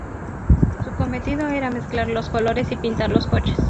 Su cometido era mezclar los colores y pintar los coches.